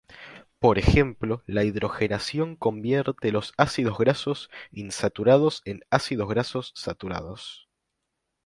Por ejemplo, la hidrogenación convierte los ácidos grasos insaturados en ácidos grasos saturados.